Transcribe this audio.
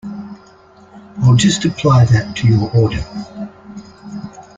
I'll just apply that to your order.